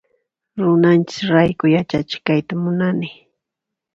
Runanchis rayku yachachiq kayta munani.